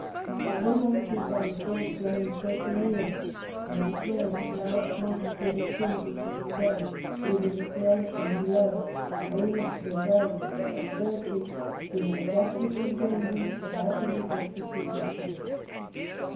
But now, since they refer to only thirty ^ons, and declare that the vast multitude of things which are embraced within the creation [below] are images of those that are but thirty, we may justly condemn them as utterly destitute of sense.